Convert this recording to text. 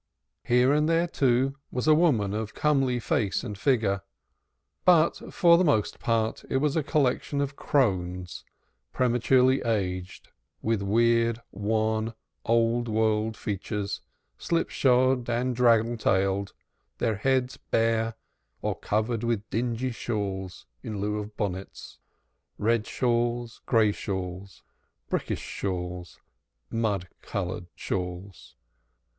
Here and there, too, was a woman of comely face and figure, but for the most part it was a collection of crones, prematurely aged, with weird, wan, old world features, slip shod and draggle tailed, their heads bare, or covered with dingy shawls in lieu of bonnets red shawls, gray shawls, brick dust shawls, mud colored shawls.